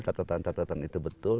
catatan catatan itu betul